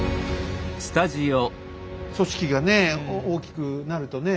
組織がね大きくなるとね